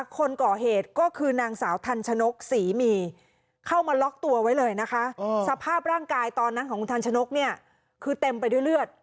คนก่อเหตุก็คือนางสาวทันชนกศรีมีเข้ามาล็อกตัวไว้เลยนะคะสภาพร่างกายตอนนั้นของคุณทันชนกเนี่ยคือเต็มไปด้วยเลือด